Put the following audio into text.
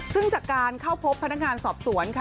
ซึ่งจากการเข้าพบพนักงานสอบสวนค่ะ